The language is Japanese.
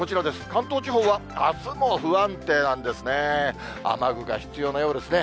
関東地方はあすも不安定なんですね。